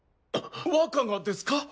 若がですか！？